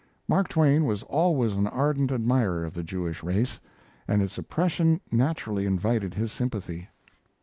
Mark Twain was always an ardent admirer of the Jewish race, and its oppression naturally invited his sympathy.